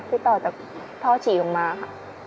ติดต่อจากท่อฉี่ออกมาค่ะ